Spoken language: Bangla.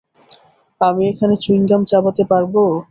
আমি এখানে চুইংগাম চিবাতে পারব?